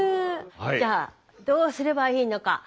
じゃあどうすればいいのか。